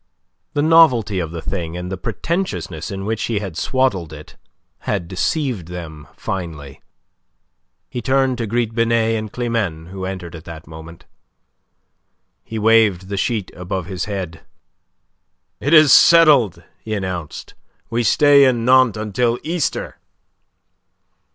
The novelty of the thing, and the pretentiousness in which he had swaddled it, had deceived them finely. He turned to greet Binet and Climene, who entered at that moment. He waved the sheet above his head. "It is settled," he announced, "we stay in Nantes until Easter."